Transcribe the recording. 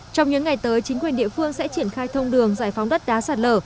trong những ngày tới chính quyền địa phương sẽ triển khai thông đường giải phóng đất đá sạt lở